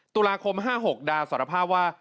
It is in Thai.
ตุลาคม๕๖ดาสารภาพว่า